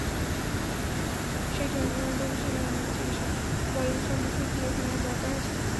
সেই চন্দ্রনাথবাবু সেদিন আমার কাছে এসে বললেন, সন্দীপকে কি এখানে আর দরকার আছে?